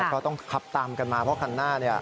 เพราะต้องขับตามกันมาเพราะคันหน้าเนี่ย